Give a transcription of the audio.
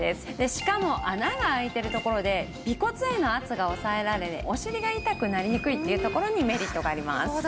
しかも穴が開いているところで尾骨への圧が抑えられお尻が痛くなりにくいっていうところにメリットがあります。